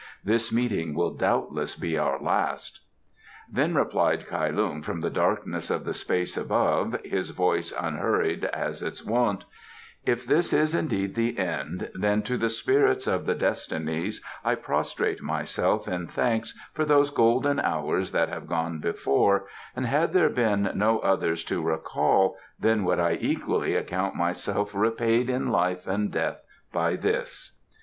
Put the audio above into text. This meeting will doubtless be our last." Then replied Kai Lung from the darkness of the space above, his voice unhurried as its wont: "If this is indeed the end, then to the spirits of the destinies I prostrate myself in thanks for those golden hours that have gone before, and had there been no others to recall then would I equally account myself repaid in life and death by this."